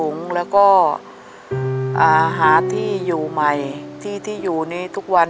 แล้วก็หาที่อยู่ใหม่ที่ที่อยู่นี้ทุกวัน